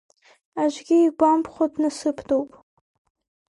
Аӡәгьы игәамԥхо дна-сыԥдоуп!